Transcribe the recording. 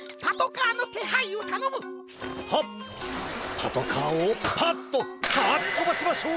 パトカーをパッとカアッとばしましょう！